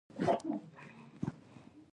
د غرمې ډوډۍ اکثره له کورنۍ سره خوړل کېږي